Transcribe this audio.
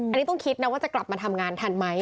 อันนี้ต้องคิดนะว่าจะกลับมาทำงานทันไหม